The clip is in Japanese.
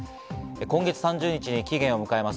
今月３０日に期限を迎えます